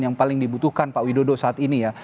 yang paling dibutuhkan pak widodo saat ini ya